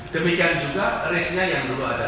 demikian juga risknya yang dulu ada